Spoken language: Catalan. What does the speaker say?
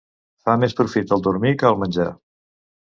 Fa més profit el dormir que el menjar.